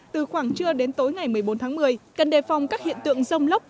từ khoảng trưa đến tối ngày một mươi bốn tháng một mươi cần đề phòng các hiện tượng rông lốc